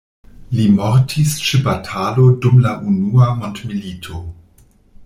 Li mortis ĉe batalo dum la unua mondmilito.